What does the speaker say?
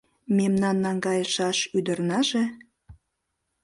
Мемнан наҥгайышаш ӱдырнаже -